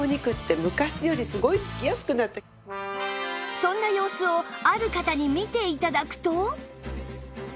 しかもなんかそんな様子をある方に見て頂くと